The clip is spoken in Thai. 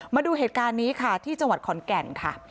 มาดูเหตุการณ์นี้ค่ะที่จังหวัดขอนแก่นค่ะ